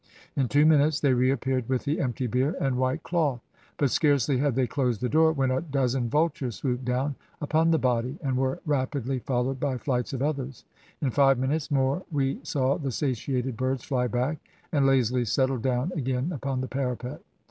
In two minutes they reappeared with the empty bier and white cloth. But scarcely had they closed the door when a dozen vultures swooped down upon the body, and were rapidly followed by flights of others. In five minutes more we saw the satiated birds fly back and lazily settle down again upon the parapet.